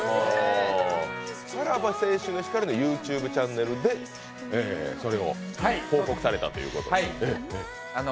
さらば青春の光のＹｏｕＴｕｂｅチャンネルでそれを報告されたということ？